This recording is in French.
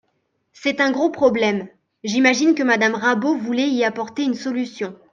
C’est un gros problème… J’imagine que Madame Rabault voulait y apporter une solution.